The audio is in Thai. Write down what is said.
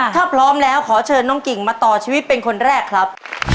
ถ้าพร้อมแล้วขอเชิญน้องกิ่งมาต่อชีวิตเป็นคนแรกครับ